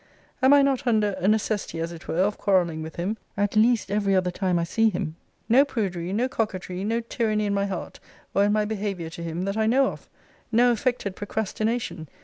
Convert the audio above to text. Am I not under a necessity, as it were, of quarrelling with him; at least every other time I see him? No prudery, no coquetry, no tyranny in my heart, or in my behaviour to him, that I know of. No affected procrastination.